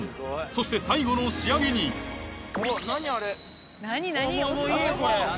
そして最後の仕上げに何何？